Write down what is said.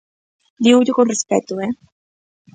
Dígollo con respecto, ¡eh!